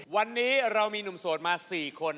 วันนี้เรามีหนุ่มโสดมา๔คน